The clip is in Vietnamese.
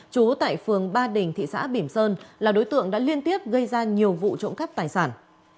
chú tại phường ba đình thị xã bỉm sơn là đối tượng đã liên tiếp gây ra nhiều vụ trộm cắp tài sản